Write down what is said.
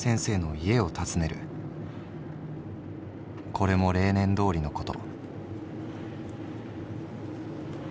これも例年通りのこと」。